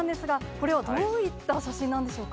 これはどういった写真なんでしょ